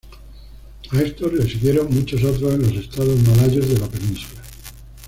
A estos les siguieron muchos otros en los estados malayos de la península.